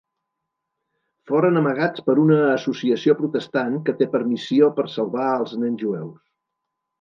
Foren amagats per una associació protestant que té per missió per salvar els nens jueus.